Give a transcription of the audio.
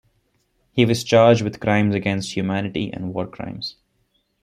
He was charged with Crimes against Humanity and War Crimes.